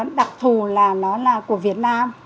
bởi vì nó đặc thù là nó là của việt nam